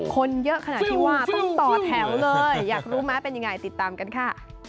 คนเยอะขนาดที่ว่าต้องต่อแถวเลยอยากรู้ไหมเป็นยังไงติดตามกันค่ะ